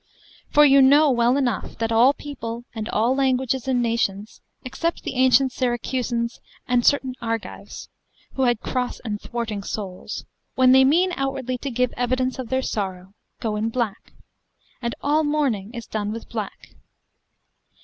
For you know well enough that all people, and all languages and nations, except the ancient Syracusans and certain Argives, who had cross and thwarting souls, when they mean outwardly to give evidence of their sorrow, go in black; and all mourning is done with black.